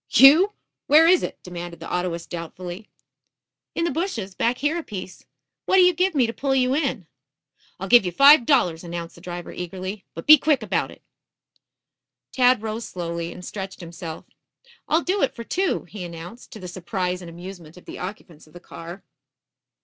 "You? Where is it?" demanded the autoist doubtfully. "In the bushes, back here a piece. What'll you give me to pull you in?" "I'll give you five dollars," announced the driver eagerly. "But be quick about it." Tad rose slowly and stretched himself. "I'll do it for two," he announced, to the surprise and amusement of the occupants of the car.